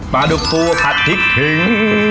ปลาดุกปูผัดพริกขิง